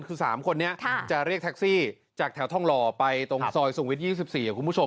คือ๓คนนี้จะเรียกแท็กซี่จากแถวทองหล่อไปตรงซอยสูงวิท๒๔คุณผู้ชม